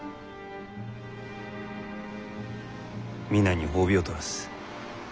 皆に褒美を取らす。